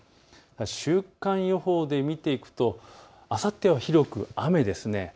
週間予報で見ていくとあさっては広く雨です。